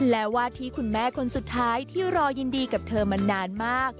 และวาดที่คุณแม่คนสุดท้ายที่รอยินดีกับเธอมานานมาก